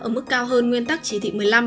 ở mức cao hơn nguyên tắc chỉ thị một mươi năm